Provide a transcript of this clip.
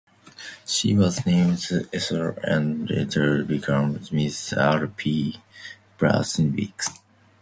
She was named Ethel and later became Mrs R. P. Blatherwick.